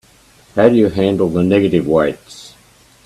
How do you handle the negative weights?